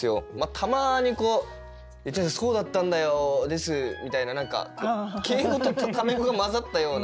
たまに「そうだったんだよです」みたいな何か敬語とタメ語が交ざったような。